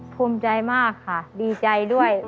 ภูมิใจมากค่ะดีใจด้วย